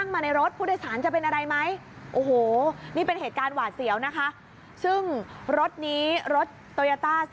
มั้ยโอ้โหนี่เป็นเหตุการณ์หวาดเสียวนะคะซึ่งรถนี้รถโตยาต้า